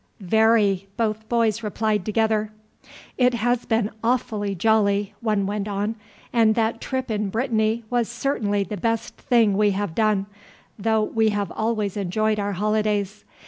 "Very," both boys replied together. "It has been awfully jolly," one went on, "and that trip in Brittany was certainly the best thing we have done, though we have always enjoyed our holidays.